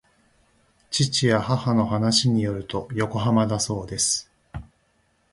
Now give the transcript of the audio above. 父や母の話によると横浜だそうです